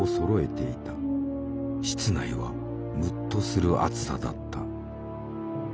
室内はむっとする暑さだった。